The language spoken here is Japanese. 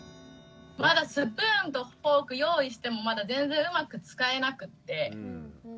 まだスプーンとフォーク用意してもまだ全然うまく使えなくって。